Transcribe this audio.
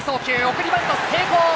送りバント成功！